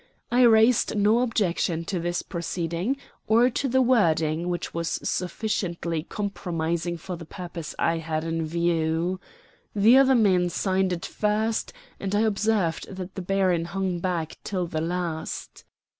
I raised no objection to this proceeding, or to the wording, which was sufficiently compromising for the purpose I had in view. The other men signed it first, and I observed that the baron hung back until the last.